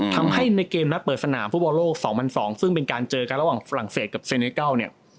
ทำให้ในเกมนัดเปิดสนามฟุตบอลโลก๒๐๐๒ซึ่งเป็นการเจอกันระหว่างฝรั่งเศสกับเซเนเกิลเนี่ย